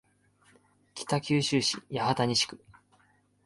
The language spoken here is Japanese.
北九州市八幡西区